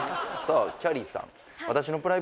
あきゃりーさん